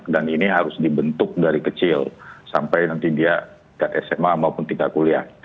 dan ini harus dibentuk dari kecil sampai nanti dia ke sma maupun tingkat kuliah